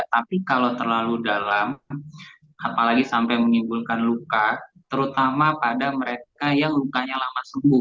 tapi kalau terlalu dalam apalagi sampai menimbulkan luka terutama pada mereka yang lukanya lama sembuh